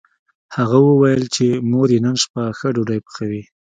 هغه وویل چې مور یې نن شپه ښه ډوډۍ پخوي